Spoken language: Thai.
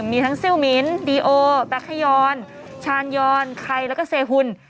มีทั้งซิลมิ้นดีโอแบคยอนชาญยอนไข่แล้วก็เซฮุน